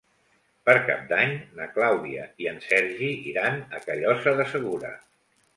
Per Cap d'Any na Clàudia i en Sergi iran a Callosa de Segura.